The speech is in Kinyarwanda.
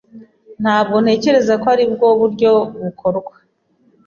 Ntabwo ntekereza ko aribwo buryo bukorwa.